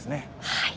はい。